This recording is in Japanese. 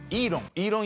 「イーロン」。